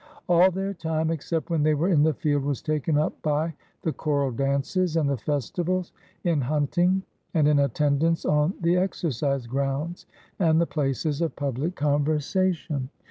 All their time, except when they were in the field, was taken up by the choral dances and the festivals, in hunting, and in attendance on the exercise grounds, and the places of public conversation.